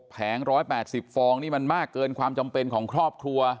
แผง๑๘๐ฟองนี่มันมากเกินความจำเป็นของครอบครัว